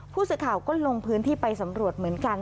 ผู้สื่อข่าวก็ลงพื้นที่ไปสำรวจเหมือนกัน